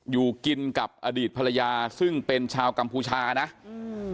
อยู่กินกับอดีตภรรยาซึ่งเป็นชาวกัมพูชานะอืม